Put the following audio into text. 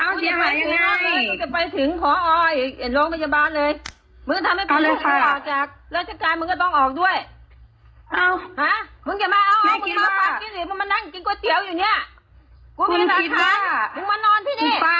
คุณบ้านกี่นี้มึงมันนั่งกินก๋วยเตี๋ยวนี่